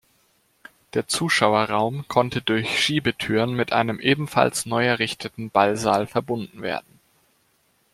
Der Zuschauerraum konnte durch Schiebetüren mit einem ebenfalls neu errichteten Ballsaal verbunden werden.